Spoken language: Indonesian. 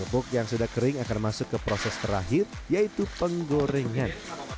kebuk yang sudah kering akan masuk ke proses terakhir yaitu penggorengan